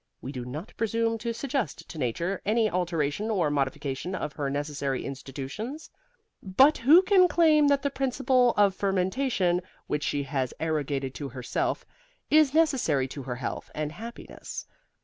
We do not presume to suggest to Nature any alteration or modification of her necessary institutions. But who can claim that the principle of fermentation, which she has arrogated to herself, is necessary to her health and happiness?